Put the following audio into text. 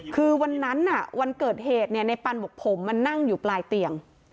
คือวันนั้นวันเกิดเหตุในปันบอกผมมานั่งอยู่ปลายเตียง